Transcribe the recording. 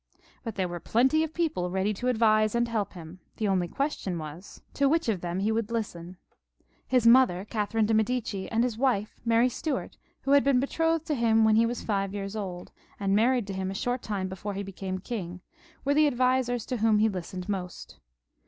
But there were plenty of people ready to advise and help him, the only question was which of them would be able to make him listen to them. His mother, Catherine of Medicis, and his wife Mary Stuart, who had been betrothed to him when he was five years old, and married to him a short time before he became king, were the advisers to whom he listened most.